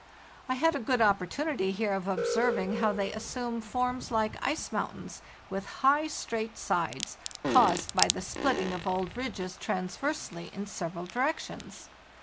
I had a good opportunity here of observing how they assume forms like ice mountains with high, straight sides, caused by the splitting of old ridges transversely in several directions.